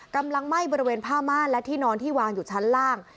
กำลังไหม้บริเวณผ้าม่านและที่นอนที่วางอยู่ชั้นล่าง